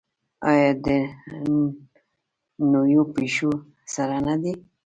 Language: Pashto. آیا د نویو پیښو سره نه دی؟